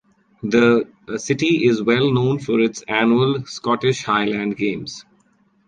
The city is well known for its annual Scottish Highland Games.